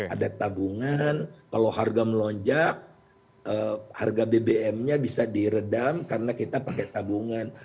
ada tabungan kalau harga melonjak harga bbm nya bisa diredam karena kita pakai tabungan